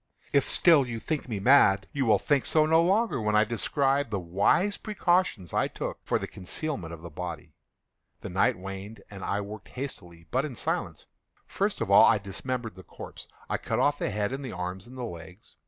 If still you think me mad, you will think so no longer when I describe the wise precautions I took for the concealment of the body. The night waned, and I worked hastily, but in silence. First of all I dismembered the corpse. I cut off the head and the arms and the legs.